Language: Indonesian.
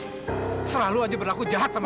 kamu selalu harus ayudar tania